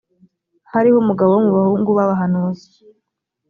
hariho umugabo wo mu bahungu b abahanuzi